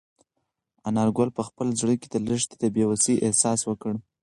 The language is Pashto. انارګل په خپل زړه کې د لښتې د بې وسۍ احساس وکړ.